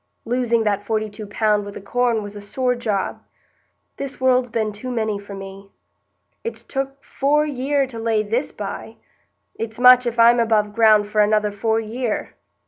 Losing that forty two pound wi' the corn was a sore job. This world's been too many for me. It's took four year to lay this by; it's much if I'm above ground for another four year.